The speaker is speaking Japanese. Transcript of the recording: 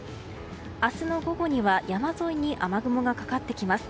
明日の午後には山沿いに雨雲がかかってきます。